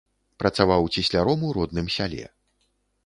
Працаваў цесляром у родным сяле.